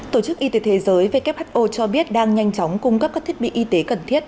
tổ chức y tế thế giới who cho biết đang nhanh chóng cung cấp các thiết bị y tế cần thiết